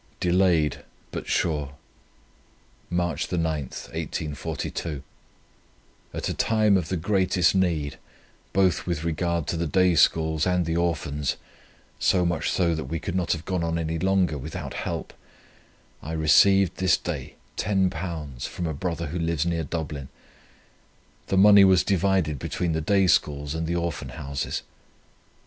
DELAYED BUT SURE. "March 9 . At a time of the greatest need, both with regard to the Day Schools and the Orphans, so much so that we could not have gone on any longer without help, I received this day £10 from a brother who lives near Dublin. The money was divided between the Day Schools and the Orphan Houses.